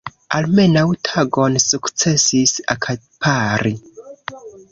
Almenaŭ tagon sukcesis akapari.